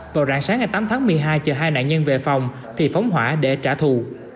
vào rạng sáng ngày tám tháng một mươi hai chờ hai nạn nhân về phòng thì phóng hỏa để trả thù